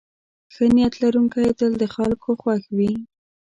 ښه نیت لرونکی تل د خلکو خوښ وي.